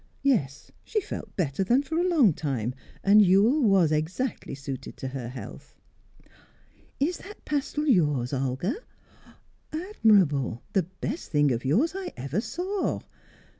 Yes, she felt better than for a long time, and Ewell was exactly suited to her health. "Is that pastel yours, Olga? Admirable! The best thing of yours I ever saw."